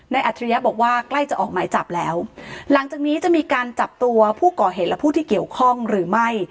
อัจฉริยะบอกว่าใกล้จะออกหมายจับแล้วหลังจากนี้จะมีการจับตัวผู้ก่อเหตุและผู้ที่เกี่ยวข้องหรือไม่